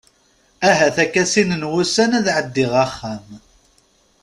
Ahat akka sin n wussan ad ɛeddiɣ axxam.